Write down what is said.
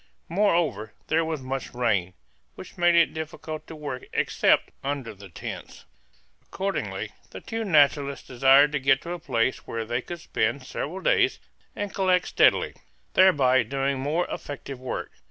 Moreover, there was much rain, which made it difficult to work except under the tents. Accordingly, the two naturalists desired to get to a place where they could spend several days and collect steadily, thereby doing more effective work.